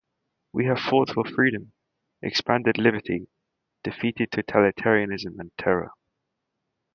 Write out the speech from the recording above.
We have fought for freedom, expanded liberty, defeated totalitarianism and terror.